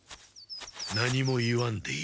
何も言わんでいい。